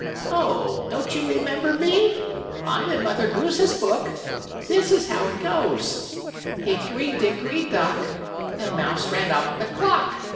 "Oh, don't you remember me? I'm in Mother Goose's book. This is how it goes: "'Hickory Dickory Dock, The mouse ran up the clock.